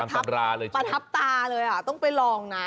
ประทับตาเลยต้องไปลองนะ